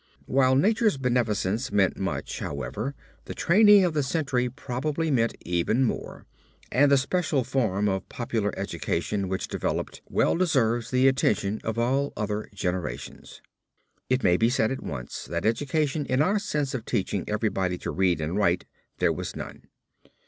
While nature's beneficence meant much, however, the training of the century probably meant even more and the special form of popular education which developed well deserves the attention of all other generations. It may be said at once that education in our sense of teaching everybody to read and write there was none.